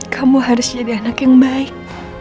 kamu harus jadi anak yang baik